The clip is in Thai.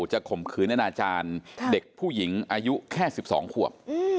ข่มขืนอนาจารย์เด็กผู้หญิงอายุแค่๑๒ขวบ